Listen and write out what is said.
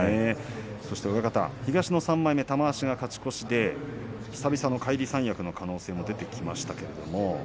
そして東の３枚目玉鷲が勝ち越して久々の返り三役の可能性も出てきました。